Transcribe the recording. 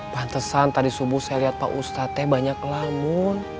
pantesan tadi subuh saya lihat pak ustadznya banyak ngelamun